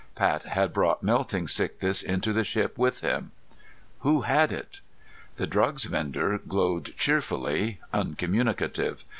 Pat had brought melting sickness into the ship with him! Who had it? The drugs vendor glowed cheerfully, uncommunicative.